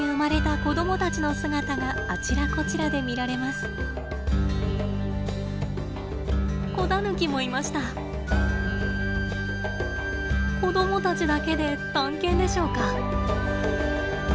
子供たちだけで探検でしょうか？